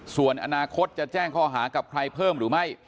ส่วนอนาคตจะแจ้งข้อหากับใครเพิ่มหรือไม่